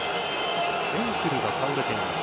エンクルが倒れています。